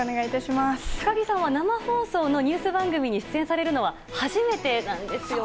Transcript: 高木さんは生放送のニュース番組に出演されるのは初めてなんですよね。